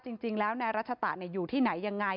จริงแล้วนายรัชตะอยู่ที่ไหนยังไง